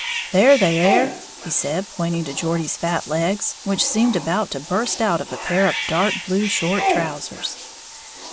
"There they air," he said, pointing to Geordie's fat legs, which seemed about to burst out of a pair of dark blue short trousers.